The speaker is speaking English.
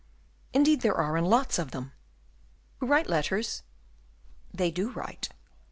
"Indeed there are, and lots of them." "Who write letters?" "They do write."